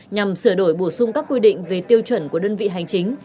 nhằm sửa đổi bổ sung các quy định về tiêu chuẩn của đơn vị hành chính